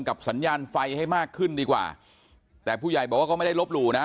สัญญาณไฟให้มากขึ้นดีกว่าแต่ผู้ใหญ่บอกว่าก็ไม่ได้ลบหลู่นะ